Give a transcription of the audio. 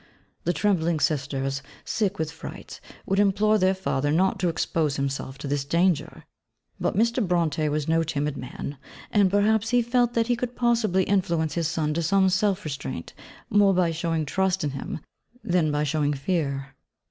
The trembling sisters, sick with fright, would implore their father not to expose himself to this danger. But Mr. Brontë was no timid man; and perhaps he felt that he could possibly influence his son to some self restraint more by showing trust in him than by showing fear.